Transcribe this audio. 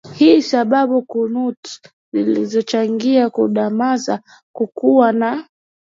hii Sababu kuntu zilizochangia kudumaza kukua na